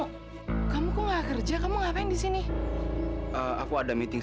kenapa kamu kamu nggak kerja kamu ngapain di sini aku ada meeting